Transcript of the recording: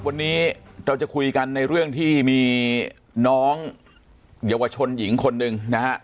วันนี้เราจะคุยกันในเรื่องที่มีน้องเยาวชนหญิงคนหนึ่งนะฮะ